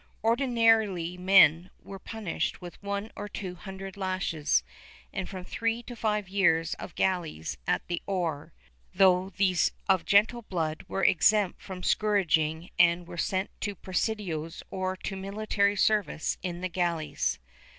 Ordinarily men were punished with one or two hundred lashes and from three to five years of galleys at the oar, though those of gentle blood were exempt from scourging and were sent to presidios or to military service in the galleys.